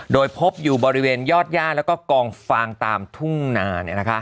โดยพบอยู่บริเวณยอดย่าแล้วก็กองฟางตามทุ่งนา